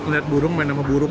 lihat burung main nama burung